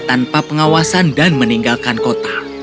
tanpa pengawasan dan meninggalkan kota